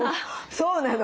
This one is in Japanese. そうなの。